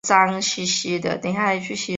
只能说明我们的抗战是假的。